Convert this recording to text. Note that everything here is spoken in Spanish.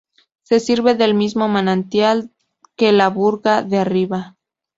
Se sirve del mismo manantial que la Burga de Arriba.